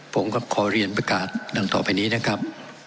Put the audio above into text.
ผมก็ขอเรียนประกาศดังต่อไปนี้นะครับ